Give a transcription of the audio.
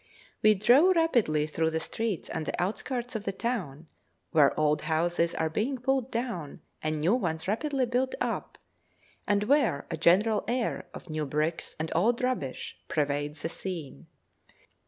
We drove rapidly through the streets and the outskirts of the town, where old houses are being pulled down and new ones rapidly built up, and where a general air of new bricks and old rubbish pervades the scene.